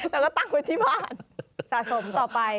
แล้วก็ตั้งไว้ที่บ้านสะสมต่อไป